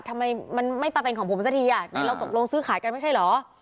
ทำไมมันไม่มาเป็นของผมสักทีอ่ะนี่เราตกลงซื้อขายกันไม่ใช่เหรอ